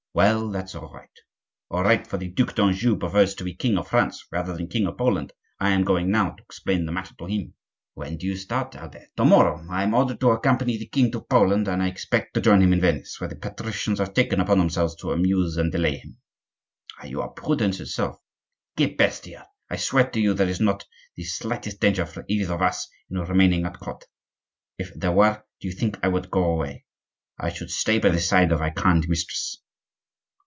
Well, that's all right." "All right for the Duc d'Anjou, who prefers to be king of France rather than king of Poland; I am going now to explain the matter to him." "When do you start, Albert?" "To morrow. I am ordered to accompany the king of Poland; and I expect to join him in Venice, where the patricians have taken upon themselves to amuse and delay him." "You are prudence itself!" "Che bestia! I swear to you there is not the slightest danger for either of us in remaining at court. If there were, do you think I would go away? I should stay by the side of our kind mistress."